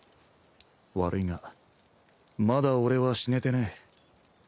悪いがまだ俺は死ねてねえ。